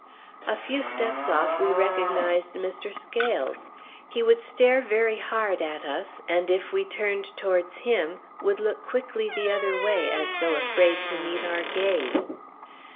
A few steps off we recognized Mr. Scales. He would stare very hard at us, and if we turned towards him, would look quickly the other way as though afraid to meet our gaze.